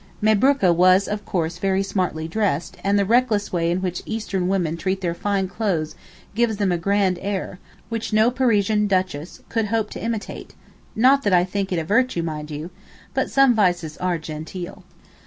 Mabrookah was of course very smartly dressed, and the reckless way in which Eastern women treat their fine clothes gives them a grand air, which no Parisian Duchess could hope to imitate—not that I think it a virtue mind you, but some vices are genteel.